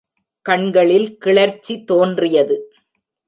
கண்களில் கிளர்ச்சி தோன்றியது.